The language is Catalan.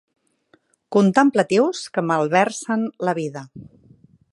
Contemplatius que malversen la vida.